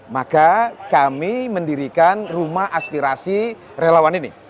maka kami mendirikan rumah aspirasi relawan ini